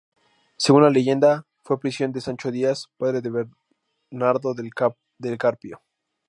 Según la leyenda, fue prisión de Sancho Díaz, padre de Bernardo del Carpio.